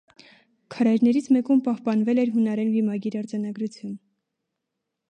Քարայրներից մեկում պահպանվել էր հունարեն վիմագիր արձանգրություն։